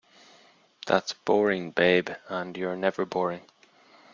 That's boring, babe, and you're never boring!